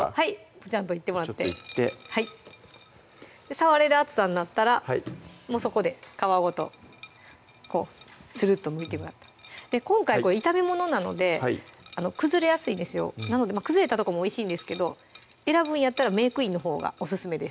ポチャンといってもらって触れる熱さになったらもうそこで皮ごとこうスルッとむいてもらって今回これ炒め物なので崩れやすいんですよなので崩れたとこもおいしいんですけど選ぶんやったらメークインのほうがオススメです